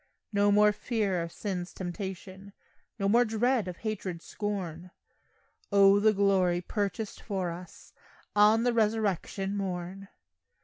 No more fear of sin's temptation, No more dread of hatred's scorn, O the glory purchased for us On the resurrection morn!